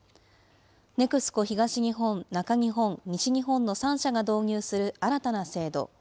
ＮＥＸＣＯ東日本、中日本、西日本の３社が導入する新たな制度。